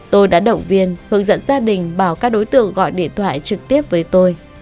tôi đã động viên hướng dẫn gia đình bảo các đối tượng gọi điện thoại trực tiếp với tôi